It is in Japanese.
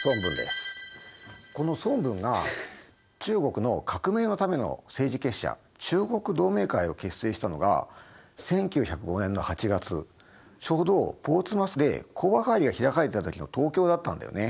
この孫文が中国の革命のための政治結社中国同盟会を結成したのが１９０５年の８月ちょうどポーツマスで講和会議が開かれていた時の東京だったんだよね。